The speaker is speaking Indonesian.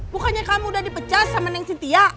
bukannya kamu udah dipecat sama nenek siti ya